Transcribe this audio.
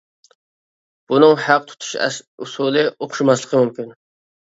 بۇنىڭ ھەق تۇتۇش ئۇسۇلى ئوخشىماسلىقى مۇمكىن.